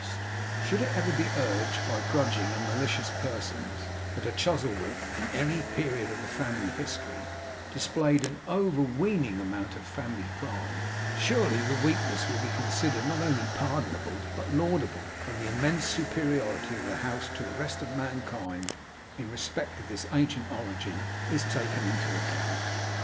If it should ever be urged by grudging and malicious persons, that a Chuzzlewit, in any period of the family history, displayed an overweening amount of family pride, surely the weakness will be considered not only pardonable but laudable, when the immense superiority of the house to the rest of mankind, in respect of this its ancient origin, is taken into account.